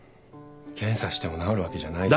検査しても治るわけじゃない。